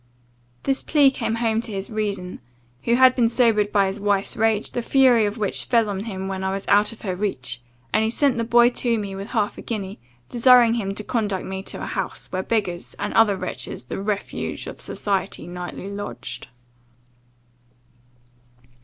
This plea came home to his reason, who had been sobered by his wife's rage, the fury of which fell on him when I was out of her reach, and he sent the boy to me with half a guinea, desiring him to conduct me to a house, where beggars, and other wretches, the refuse of society, nightly lodged.